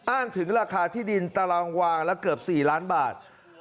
อ้างถึงราคาที่ดินตารางวางละเกือบ๔ล้านบาท